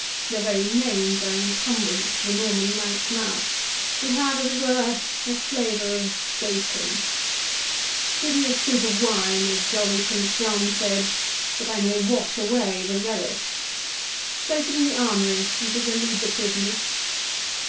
Their very names are an encumbrance to a Norman knight's mouth, and have, as it were, a flavour of bacon—Give me a stoup of wine, as jolly Prince John said, that I may wash away the relish—place it in the armoury, and thither lead the prisoners."